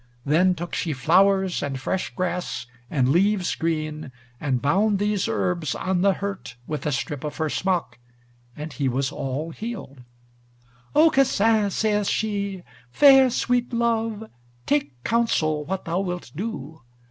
Then took she flowers, and fresh grass, and leaves green, and bound these herbs on the hurt with a strip of her smock, and he was all healed. "Aucassin," saith she, "fair sweet love, take counsel what thou wilt do.